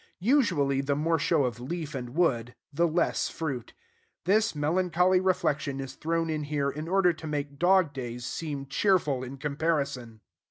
Usually, the more show of leaf and wood, the less fruit. This melancholy reflection is thrown in here in order to make dog days seem cheerful in comparison.